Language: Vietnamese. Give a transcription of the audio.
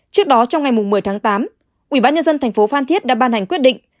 trước đó trong ngày một mươi tháng tám ubnd tp phan thiết đã ban hành quyết định